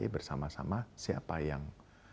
bersama sama siapa yang